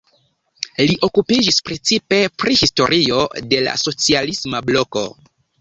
Li okupiĝis precipe pri historio de la socialisma bloko.